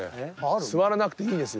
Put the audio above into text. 座らなくていいですよ。